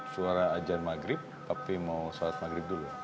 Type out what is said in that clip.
suara ajan maghrib tapi mau sholat maghrib dulu